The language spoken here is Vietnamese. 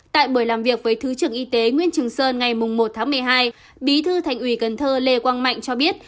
tại buổi làm việc với thứ trưởng y tế nguyễn trường sơn ngày một tháng một mươi hai bí thư thành ủy cần thơ lê quang mạnh cho biết